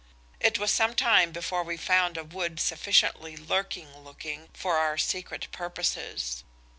It was some time before we found a wood sufficiently lurking looking for our secret purposes.